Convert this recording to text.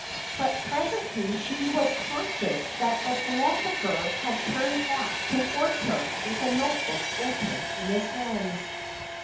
But presently she was conscious that the philoso pher had turned back towards her with a notebook open in his hands.